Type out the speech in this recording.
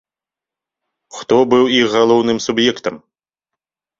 Хто быў іх галоўным суб'ектам?